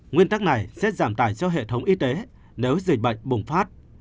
nguyên tắc này sẽ giảm tải cho hệ thống y tế nếu dịch bệnh bùng phát